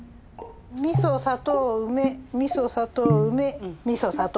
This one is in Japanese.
みそ砂糖梅みそ砂糖梅みそ砂糖。